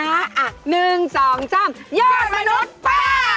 อ่ะ๑๒๓ยอดมนุษย์ป้า